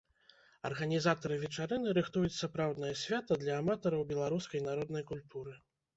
Арганізатары вечарыны рыхтуюць сапраўднае свята для аматараў беларускай народнай культуры.